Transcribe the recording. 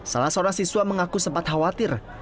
salah seorang siswa mengaku sempat khawatir